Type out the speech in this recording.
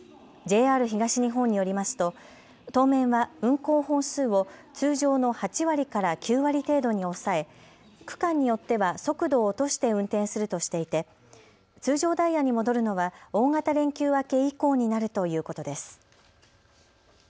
ＪＲ東日本によりますと当面は運行本数を通常の８割から９割程度に抑え区間によっては速度を落として運転するとしていて通常ダイヤに戻るのは大型連休明け以降になるということです。